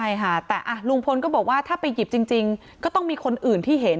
ใช่ค่ะแต่ลุงพลก็บอกว่าถ้าไปหยิบจริงก็ต้องมีคนอื่นที่เห็น